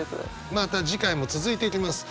また次回も続いていきます。